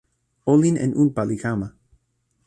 olin en unpa li kama.